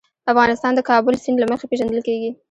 افغانستان د د کابل سیند له مخې پېژندل کېږي.